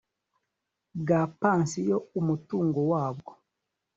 bwa pansiyo umutungo wabwo